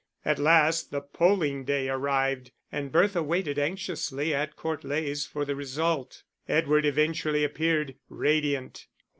At last the polling day arrived, and Bertha waited anxiously at Court Leys for the result. Edward eventually appeared, radiant.